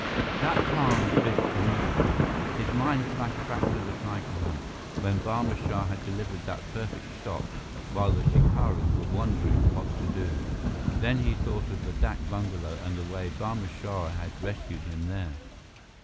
That calmed Biff immediately. His mind flashed back to the tiger hunt, when Barma Shah had delivered that perfect shot while the shikaris were wondering what to do. Then he thought of the dak bungalow and the way Barma Shah had rescued him there.